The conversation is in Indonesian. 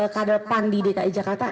kader pan di dki jakarta